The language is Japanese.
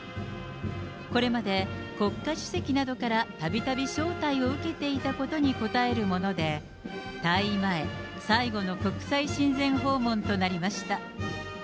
これまで国家主席などからたびたび招待を受けていたことに応えるもので、退位前、最後の国際親善訪問となりました。